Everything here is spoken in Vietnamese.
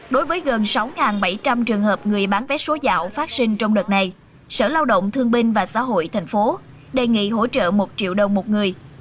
đối với gần sáu bảy trăm linh trường hợp người bán vé số dạo phát sinh trong đợt này sở lao động thương binh và xã hội thành phố đề nghị hỗ trợ một triệu đồng một người